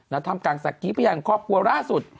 นักทำกางสักกีภายในครอบครัวล่าสุด